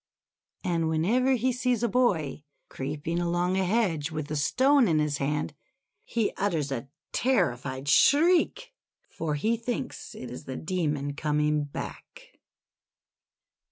And whenever he sees a boy creeping along a hedge with a stone in his hand, he utters a terri fied shriek, for he thinks it is the Demon coming back.